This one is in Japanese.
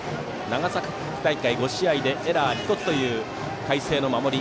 長崎大会５試合でエラー１つという海星の守り。